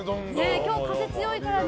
今日、風強いからね。